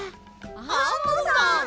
アンモさん！